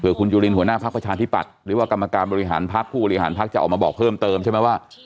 คุณจุลินหัวหน้าพักประชาธิปัตย์หรือว่ากรรมการบริหารพักผู้บริหารพักจะออกมาบอกเพิ่มเติมใช่ไหมว่า